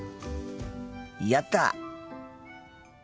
やった！